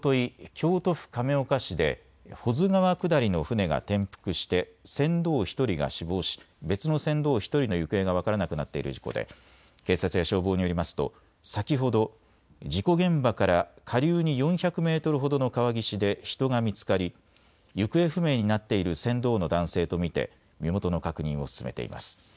京都府亀岡市で保津川下りの舟が転覆して船頭１人が死亡し別の船頭１人の行方が分からなくなっている事故で警察や消防によりますと先ほど事故現場から下流に４００メートルほどの川岸で人が見つかり行方不明になっている船頭の男性と見て身元の確認を進めています。